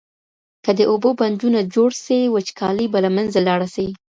که د اوبو بندونه جوړ سي وچکالي به له منځه لاړه سي.